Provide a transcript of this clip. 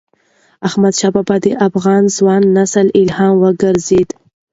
احمدشاه بابا د افغان ځوان نسل الهام وګرځيد.